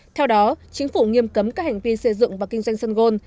theo đó chính phủ nghiêm cấm các hành vi xây dựng và kinh doanh sân gôn